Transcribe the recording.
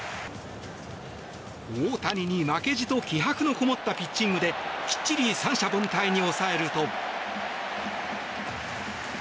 大谷に負けじと気迫のこもったピッチングできっちり三者凡退に抑えると。